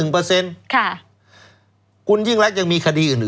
เพราะอะไร